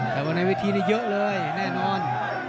แต่ว่าในวิธีนี้เยอะเลยแน่นอน